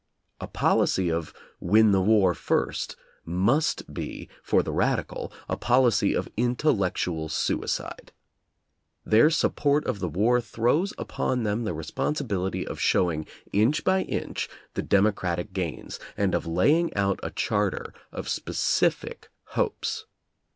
A policy of "win the war first" must be, for the radical, a policy of intellectual suicide. Their support of the war throws upon them the responsi bility of showing inch by inch the democratic gains, and of laying out a charter of specific hopes.